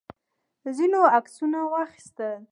ځینو عکسونه واخیستل.